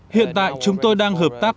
hiện tại chúng tôi đang hợp tác